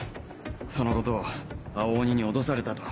そのことを青鬼に脅されたと。